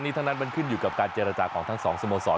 แต่ท่านั้นมันขึ้นและหลังกับการเจรัจของทั้งสองสมสอส